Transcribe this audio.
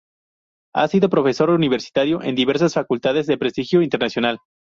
Ha sido Profesor Universitario en diversas Facultades de prestigio internacional.